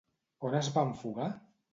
On es van fugar?